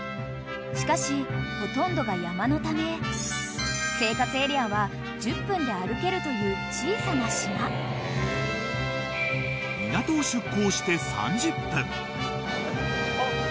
［しかしほとんどが山のため生活エリアは１０分で歩けるという小さな島］あっ！